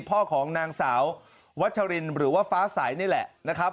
พ่อของนางสาววัชรินหรือว่าฟ้าใสนี่แหละนะครับ